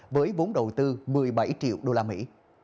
với vốn đầu tư một mươi bảy triệu đô la mỹ